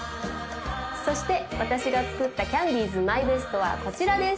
そして私が作ったキャンディーズＭＹＢＥＳＴはこちらです